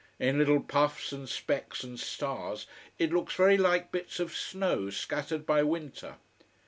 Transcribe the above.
In little puffs and specks and stars, it looks very like bits of snow scattered by winter.